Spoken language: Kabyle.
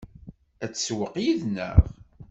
Ad tsewweq yid-neɣ?